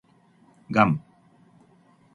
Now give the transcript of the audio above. ガム